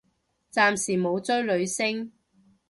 暫時冇追女星